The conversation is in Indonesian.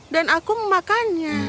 dan aku memakannya